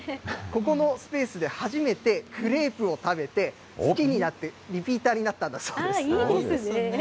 ここのスペースで初めてクレープを食べて、好きになって、リピーターになったんだそうです。